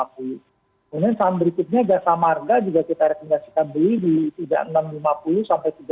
kemudian saham berikutnya jasa marga juga kita rekomendasikan beli di tiga ribu enam ratus lima puluh sampai tiga ribu tujuh ratus dua puluh